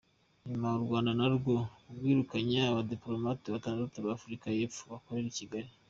Nyuma u Rwanda narwo rwirukanye abadiplomate batandatu ba Afurika y’Epfo bakoreraga i Kigali.